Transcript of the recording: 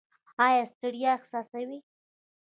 ایا ستړیا احساسوئ؟